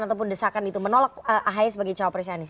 ataupun desakan itu menolak ahaya sebagai cowok presiden mas anies